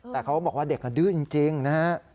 แต่เขาบอกว่าเด็กดื้อจริงนะฮะ